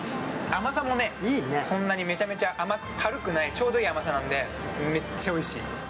甘さもそんなにめちゃめちゃ甘くない、ちょうどいい甘さなんで、めっちゃおいしい。